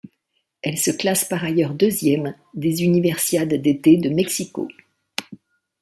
Elle se classe par ailleurs deuxième des Universiades d'été de Mexico.